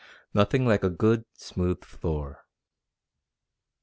Nothing like a good, smooth floor...."